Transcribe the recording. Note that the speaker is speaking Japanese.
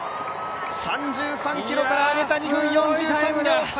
３３ｋｍから上げた２分４３秒。